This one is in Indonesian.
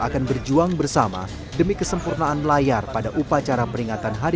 kru yang akan menempatkan kursi di belakang layar